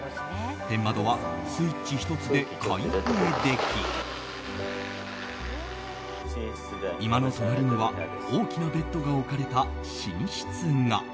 天窓はスイッチ１つで開閉でき居間の隣には大きなベッドが置かれた寝室が。